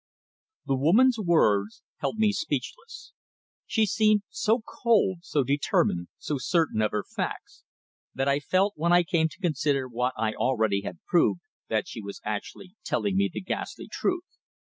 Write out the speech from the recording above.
The woman's words held me speechless. She seemed so cold, so determined, so certain of her facts that I felt, when I came to consider what I already had proved, that she was actually telling me the ghastly truth.